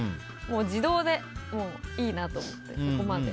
自動でいいなと思って。